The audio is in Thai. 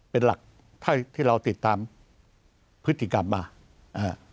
เป็นหลักเท่าที่เราติดตามพฤติกรรมมานะฮะ